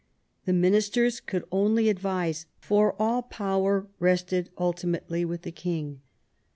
The ministers could only advise, for all power rested ultimately with the king.